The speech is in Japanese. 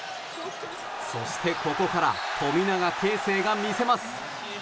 そしてここから富永啓生が見せます！